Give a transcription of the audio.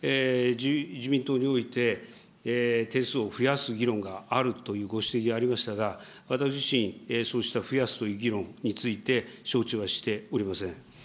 自民党において定数を増やす議論があるというご指摘がありましたが、私自身、そうした増やすという議論について、承知はしておりません。